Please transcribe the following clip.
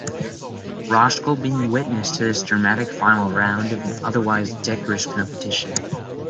Roskell being witness to this dramatic final round of an otherwise decorous competition.